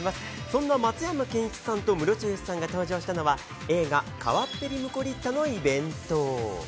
そんな松山ケンイチさんとムロツヨシさんが登場したのは、映画、川っぺりムコリッタのイベント。